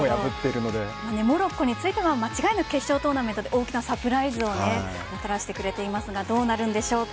モロッコについては間違いなく決勝トーナメントで大きなサプライズをもたらしてくれていますがどうなるんでしょうか。